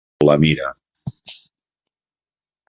La Mira.